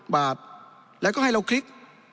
บาทแล้วก็ให้เราคลิก